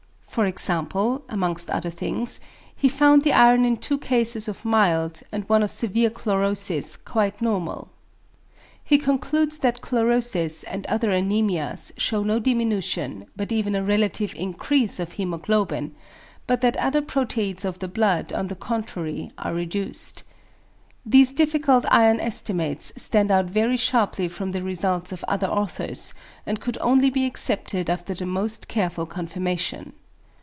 For example, amongst other things, he found the iron in two cases of mild, and one of severe chlorosis quite normal. He concludes that chlorosis, and other anæmias, shew no diminution, but even a relative increase of hæmoglobin: but that other proteids of the blood on the contrary are reduced. These difficult iron estimations stand out very sharply from the results of other authors and could only be accepted after the most careful confirmation.